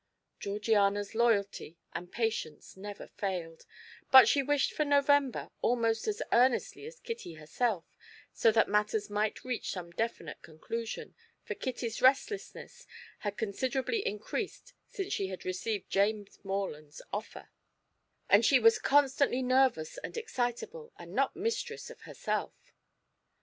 Georgiana's loyalty and patience never failed, but she wished for November almost as earnestly as Kitty herself, so that matters might reach some definite conclusion, for Kitty's restlessness had considerably increased since she had received James Morland's offer, and she was constantly nervous and excitable and not mistress of herself.